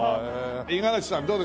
五十嵐さんどう？